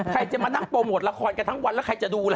ใครจะมานั่งโปรโมทละครกันทั้งวันแล้วใครจะดูล่ะ